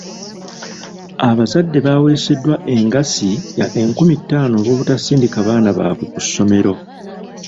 Abazadde baaweeseddwa engassi ya enkumi ttaano olw'obutasindika baana baabwe ku ssomero.